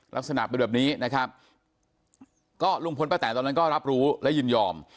ลักษณะเป็นแบบนี้นะครับก็ลุงพลป้าแตนตอนนั้นก็รับรู้และยินยอม